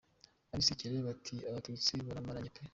abisekera bati « abatutsi baramaranye pe »